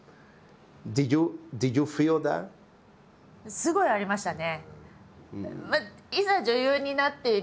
すごいありましたね。